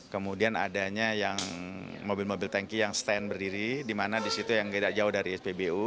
kemudian adanya yang mobil mobil tanki yang stand berdiri di mana di situ yang tidak jauh dari spbu